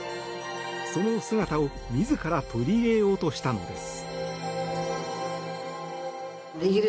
その姿を自ら取り入れようとしたのです。